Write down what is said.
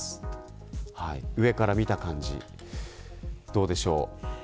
上から見た感じはどうでしょう。